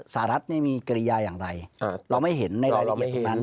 สหรัฐมีกริยาอย่างไรเราไม่เห็นในรายละเอียดนั้น